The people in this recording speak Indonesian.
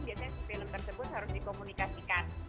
biasanya film tersebut harus dikomunikasikan